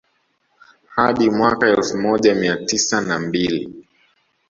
Hadi mwaka wa elfu moja mia tisa na mbili